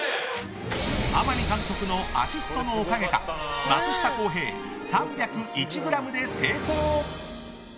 天海監督のアシストのおかげか松下洸平、３０１ｇで成功。